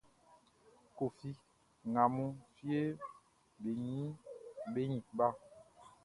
Koffi nga nunʼn, fieʼm be ɲin kpa.